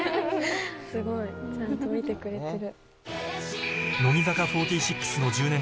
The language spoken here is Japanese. すごいちゃんと見てくれてる。